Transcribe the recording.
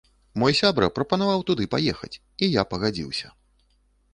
Мой сябра прапанаваў туды паехаць і я пагадзіўся.